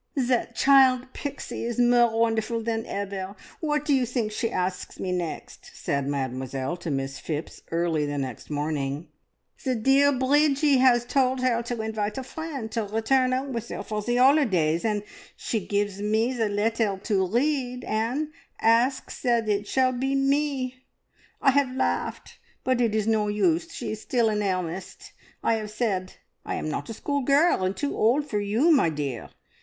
"That child Pixie is more wonderful than ever. What do you think she asks me next?" said Mademoiselle to Miss Phipps early the next morning. "The dear Breedgie has told her to invite a friend to return 'ome with her for the holidays, and she gives me the letter to read, and asks that it shall be me! I have laughed, but it is no use; she is still in earnest. I have said, `I am not a schoolgirl, and too old for you, my dear.'